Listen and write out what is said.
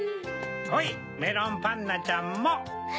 ほいメロンパンナちゃんも。